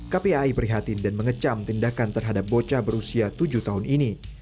kpai prihatin dan mengecam tindakan terhadap bocah berusia tujuh tahun ini